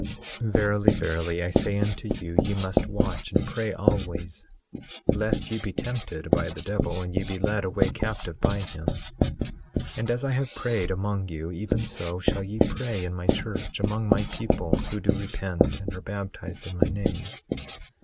18:15 Verily, verily, I say unto you, ye must watch and pray always, lest ye be tempted by the devil, and ye be led away captive by him. 18:16 And as I have prayed among you even so shall ye pray in my church, among my people who do repent and are baptized in my name.